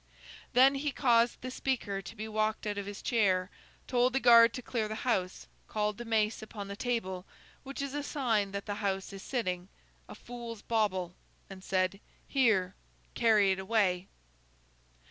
Then he caused the Speaker to be walked out of his chair, told the guard to clear the House, called the mace upon the table—which is a sign that the House is sitting—'a fool's bauble,' and said, 'here, carry it away!